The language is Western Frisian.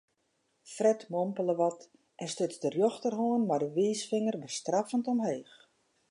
Fred mompele wat en stuts de rjochterhân mei de wiisfinger bestraffend omheech.